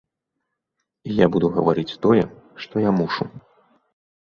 І я буду гаварыць тое, што я мушу.